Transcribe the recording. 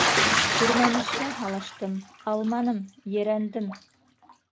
Күрмәмешкә һалыштым, алманым, ерәндем.